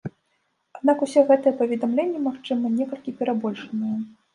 Аднак усе гэтыя паведамленні, магчыма, некалькі перабольшаныя.